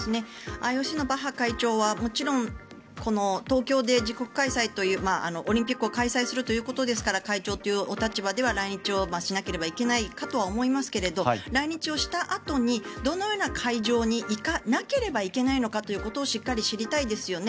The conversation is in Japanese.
ＩＯＣのバッハ会長はもちろんこの東京で自国開催オリンピックを開催するということですから会長というお立場では来日しなければいけないですが来日したあとにどのような会場に行かなければいけないのかをしっかり知りたいですよね。